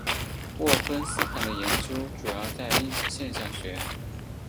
沃芬斯坦的研究主要在粒子现象学。